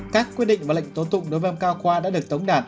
các quyết định và lệnh tố tụng đối với ông cao khoa đã được tống đạt